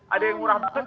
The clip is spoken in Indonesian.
ada yang murah banget